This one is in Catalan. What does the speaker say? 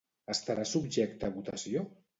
Estarà subjecte a votació?